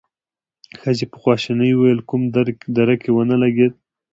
ښځې په خواشينۍ وويل: کوم درک يې ونه لګېد؟